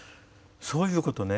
そういうことをね